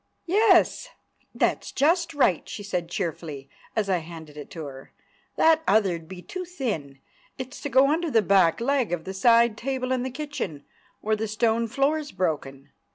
"Yes, that's just right," she said cheerfully, as I handed it to her. "That other'd be too thin; it's to go under the back leg of the side table in the kitchen, where the stone floor's broken.